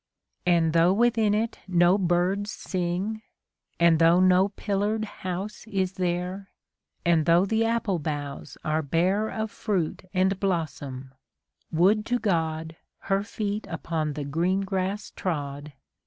And though within it no birds sing. And though no pillared house is there. And though the apple boughs are bare Of fruit and blossom, would to God, Her feet upon the green grass trod.